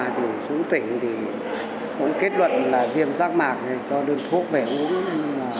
thì xuống tỉnh thì cũng kết luận là viêm rác mạc cho đưa thuốc về uống